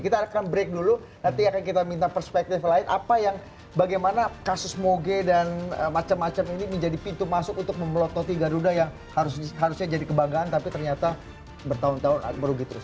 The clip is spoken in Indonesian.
kita akan break dulu nanti akan kita minta perspektif lain apa yang bagaimana kasus moge dan macam macam ini menjadi pintu masuk untuk memelototi garuda yang harusnya jadi kebanggaan tapi ternyata bertahun tahun merugi terus